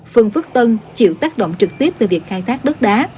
phương phức tân chịu tác động trực tiếp từ việc khai thác đất đá